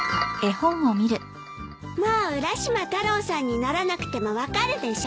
もう浦島太郎さんにならなくても分かるでしょ。